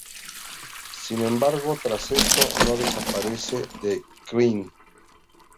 Sin embargo, tras esto, no desaparece de Krynn.